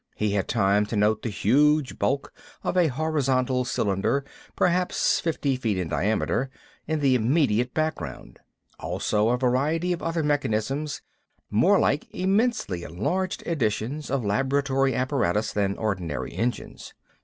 He had time to note the huge bulk of a horizontal cylinder, perhaps fifty feet in diameter, in the immediate background; also a variety of other mechanisms, more like immensely enlarged editions of laboratory apparatus than ordinary engines.